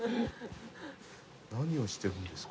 何をしてるんですか？